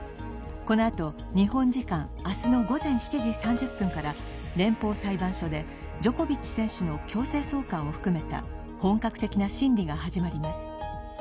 このあと、日本時間明日の午前７時３０分から連邦裁判所でジョコビッチ選手の強制送還を含めた本格的な審議が始まります。